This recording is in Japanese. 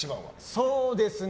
そうですね。